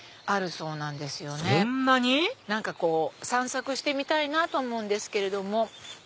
そんなに⁉何かこう散策してみたいなと思うんですけれども。